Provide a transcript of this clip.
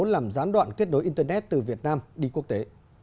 làm gián đoạn kết nối internet từ việt nam đi quốc tế